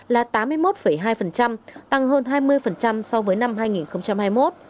là tám mươi một hai tăng hơn hai mươi so với năm hai nghìn hai mươi một